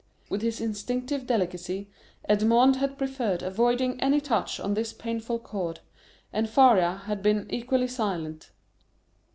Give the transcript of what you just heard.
With his instinctive delicacy Edmond had preferred avoiding any touch on this painful chord, and Faria had been equally silent.